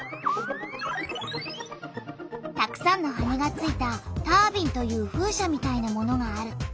たくさんの羽がついた「タービン」という風車みたいなものがある。